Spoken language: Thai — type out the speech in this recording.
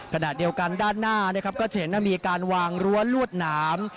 ขนาดเดียวกันด้านหน้าก็จะเห็นว่ามีการวางรั้วลวดน้ำ